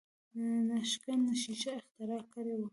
ناشکن ښیښه اختراع کړې وه.